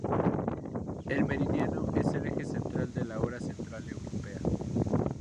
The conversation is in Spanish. El meridiano es el eje central de la hora central europea.